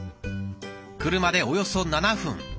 車でおよそ７分。